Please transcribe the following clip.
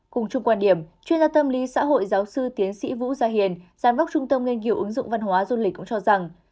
cùng chung quan điểm chuyên gia tâm lý xã hội giáo sư tiến sĩ vũ gia hiền giám đốc trung tâm nghiên cứu ứng dụng văn hóa du lịch cũng cho rằng